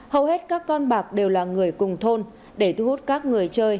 hầu hết các con bạc đều là người cùng thôn để thu hút các người chơi